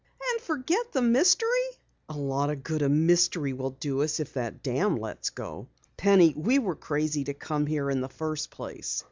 "And forget the mystery?" "A lot of good a mystery would do us if that dam lets go! Penny, we were crazy to come here in the first place!"